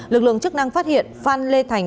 lực lượng chức năng phát hiện phan lê thành